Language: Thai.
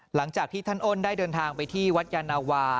หลังจากที่ท่านอ้นได้เดินทางไปที่วัดยานาวา